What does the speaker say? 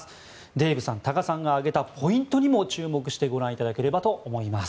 デーブさん、多賀さんが挙げたポイントにも注目してご覧いただければと思います。